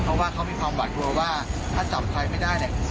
เพราะว่าเขามีความหวัดกลัวว่าถ้าจับใครไม่ได้เนี่ย